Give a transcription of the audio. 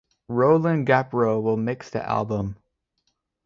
Roland Grapow will mix the album.